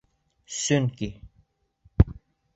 Сөнки...